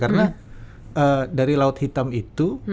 karena dari laut hitam itu